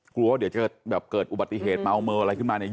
กลัวว่าเดี๋ยวจะแบบเกิดอุบัติเหตุเมาเมออะไรขึ้นมาเนี่ย